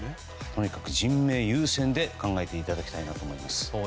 とにかく人命優先で考えていただきたいなと思います。